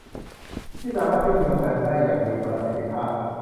ที่สามารถเชื่อมโยงกันได้อย่างมีประสิทธิภาพ